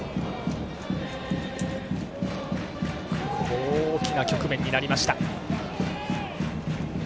大きな局面になりました。